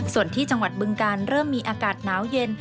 ส่วนที่จังหวัดบึงการเริ่มมีอากาศหนาวเย็น